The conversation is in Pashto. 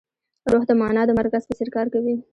روح د مانا د مرکز په څېر کار کوي.